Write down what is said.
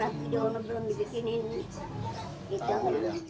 raki jauh ngebelom dibikinin